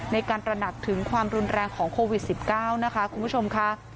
ตระหนักถึงความรุนแรงของโควิด๑๙นะคะคุณผู้ชมค่ะ